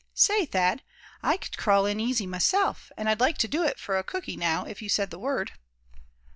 Say, Thad, I c'd crawl in easy, myself, and I'd like to do it for a cooky now, if you said the word."